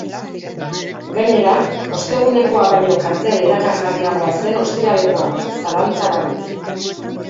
Gainera, ostegunekoa baino kartel erakargarriagoa zen ostiralekoa, zalantza barik.